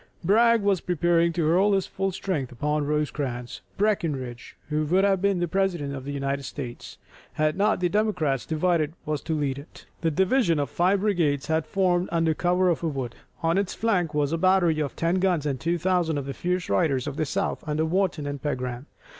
Bragg was preparing to hurl his full strength upon Rosecrans. Breckinridge, who would have been the President of the United States, had not the Democrats divided, was to lead it. This division of five brigades had formed under cover of a wood. On its flank was a battery of ten guns and two thousand of the fierce riders of the South under Wharton and Pegram.